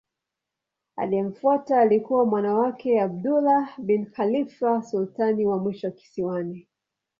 Aliyemfuata alikuwa mwana wake Abdullah bin Khalifa sultani wa mwisho kisiwani.